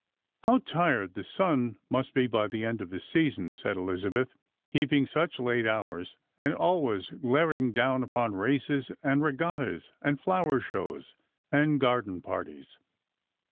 " How tired the sun must be by the end of the season," said Elizabeth, " keeping such late hours, and always glaring down upon races and regattas and flower shows and garden parties!